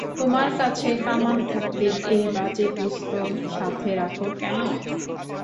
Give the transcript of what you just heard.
তোমার কাছে কামান থাকতে এই বাজে পিস্তল সাথে রাখো কেন?